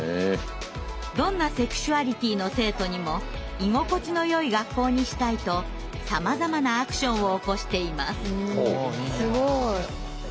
どんなセクシュアリティーの生徒にも居心地のよい学校にしたいとさまざまなアクションを起こしています。